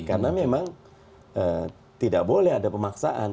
karena memang tidak boleh ada pemaksaan